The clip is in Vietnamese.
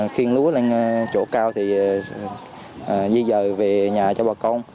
khi lúa lên chỗ cao thì di dời về nhà cho bà con